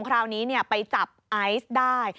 คราวนี้ไปจับไอซ์ได้